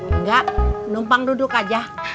enggak numpang duduk aja